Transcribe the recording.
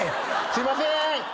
すいません。